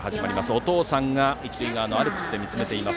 お父さんが一塁側のアルプスで見つめています。